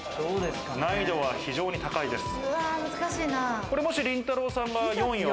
難易度は非常に高いです。